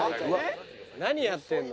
何やってるの？